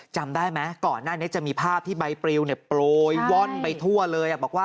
จำได้ไหมก่อนนั้นจะมีภาพที่ไบปริวโปร่อยว่อนไปทั่วเลย